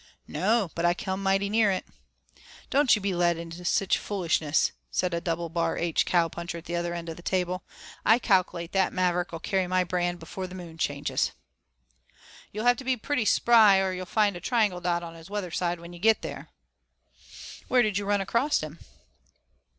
"No, but I come mighty near it." "Don't you be led into no sich foolishness," said a 'double bar H' cow puncher at the other end of the table. "I calc'late that maverick 'ill carry my brand before the moon changes." "You'll have to be pretty spry or you'll find a 'triangle dot' on his weather side when you get there." "Where did you run across him?"